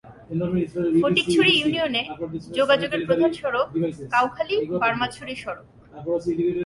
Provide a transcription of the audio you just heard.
ফটিকছড়ি ইউনিয়নে যোগাযোগের প্রধান সড়ক কাউখালী-বার্মাছড়ি সড়ক।